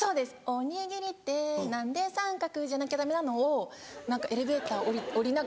おにぎりって何で三角じゃなきゃダメなの？をエレベーター降りながら。